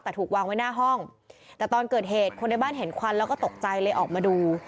แต่ถูกวางไว้หน้าห้องแต่ตอนเกิดเหตุคนในบ้านเห็นควันแล้วก็ตกใจเลยออกมาดู